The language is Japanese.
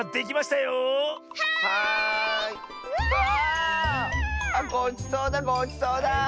あっごちそうだごちそうだ。